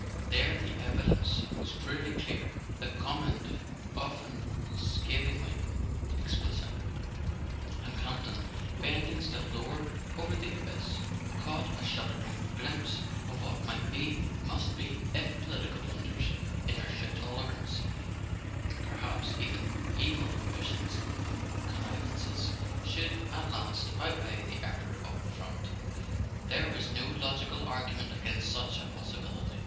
There the evidence was cruelly clear, the comment often scath¬ ingly explicit; and Campton, bending still lower over the abyss, caught a shuddering glimpse of what might be—must be—if political blunders, inertia, tolerance, perhaps even evil ambitions and connivances, should at last outweigh the effort of the front. There was no logical argument against such a possibility.